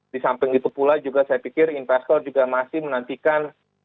di samping itu pula juga saya pikir investor juga masih menantikan hasil rapat fomc bulan ini